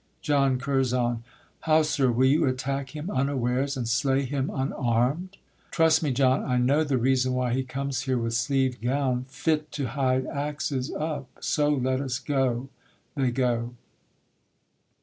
JOHN CURZON. How, sir! will you attack him unawares, And slay him unarm'd? SIR PETER. Trust me, John, I know The reason why he comes here with sleeved gown, Fit to hide axes up. So, let us go. [_They go.